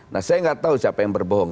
nah saya nggak tahu siapa yang berbohong